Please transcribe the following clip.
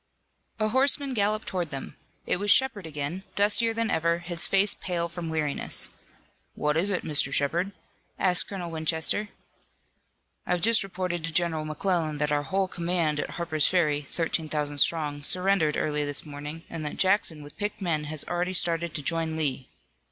A horseman galloped toward them. It was Shepard again, dustier than ever, his face pale from weariness. "What is it, Mr. Shepard?" asked Colonel Winchester. "I've just reported to General McClellan that our whole command at Harper's Ferry, thirteen thousand strong, surrendered early this morning and that Jackson with picked men has already started to join Lee!"